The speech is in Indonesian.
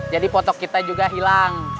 jadi fotok kita juga hilang